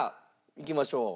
いきましょう。